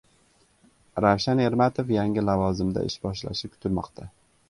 Ravshan Ermatov yangi lavozimda ish boshlashi kutilmoqda